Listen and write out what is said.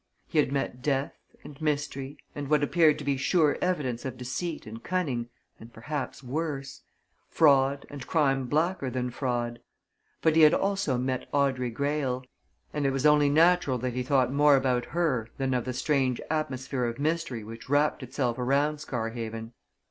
He had met death, and mystery, and what appeared to be sure evidence of deceit and cunning and perhaps worse fraud and crime blacker than fraud. But he had also met Audrey Greyle. And it was only natural that he thought more about her than of the strange atmosphere of mystery which wrapped itself around Scarhaven.